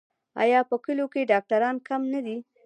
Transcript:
آیا په کلیو کې ډاکټران کم نه دي؟